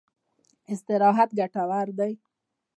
استراحت ګټور دی.